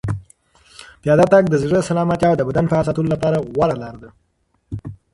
پیاده تګ د زړه سلامتیا او د بدن فعال ساتلو لپاره غوره لاره ده.